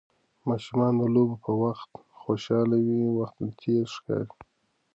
ماشومان د لوبو په وخت خوشحاله وي، وخت تېز ښکاري.